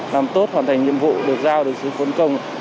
làm tốt hoàn thành nhiệm vụ được giao được sự phấn công